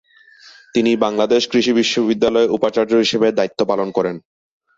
তিনি বাংলাদেশ কৃষি বিশ্ববিদ্যালয়ের উপাচার্য হিসেবে দায়িত্ব পালন করেন।